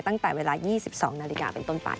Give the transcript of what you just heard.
ตั้งแต่เวลา๒๒นาฬิกาเป็นต้นไป